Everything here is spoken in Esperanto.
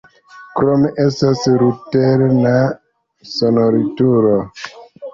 Krome estas luterana sonorilturo.